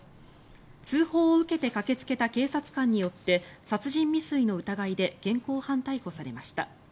通報を受けて駆けつけた警察官によって殺人未遂の疑いで現行犯逮捕されました。